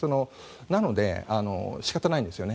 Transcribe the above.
なので、仕方ないんですよね。